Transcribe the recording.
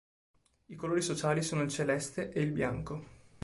I colori sociali sono il celeste e il bianco.